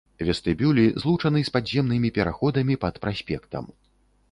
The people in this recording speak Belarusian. Вестыбюлі злучаны з падземнымі пераходамі пад праспектам.